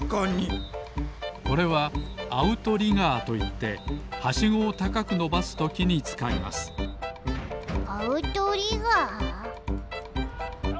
これはアウトリガーといってはしごをたかくのばすときにつかいますアウトリガー？